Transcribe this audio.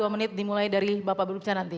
dua menit dimulai dari bapak berbicara nanti